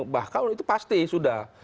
bahkan itu pasti sudah